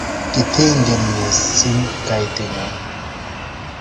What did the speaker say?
kitigen mising kaitanyo.